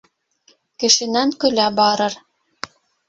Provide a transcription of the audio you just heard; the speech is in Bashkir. Кешенән көлә барыр